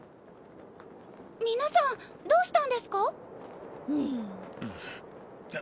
皆さんどうしたんですか？へへ。